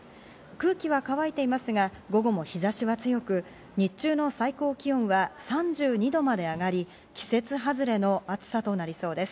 空気は乾いていますが、午後も日差しが強く、日中の最高気温は３２度まで上がり、季節外れの暑さとなりそうです。